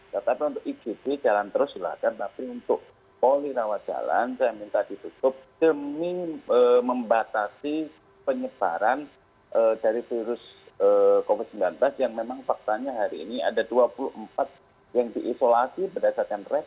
tetapi untuk igd jalan terus silahkan tapi untuk poli rawat jalan saya minta ditutup demi membatasi penyebaran dari virus covid sembilan belas yang memang faktanya hari ini ada dua puluh empat yang diisolasi berdasarkan